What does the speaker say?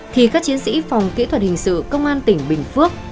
thì các chiến sĩ phòng kỹ thuật hình sự công an tỉnh bình phước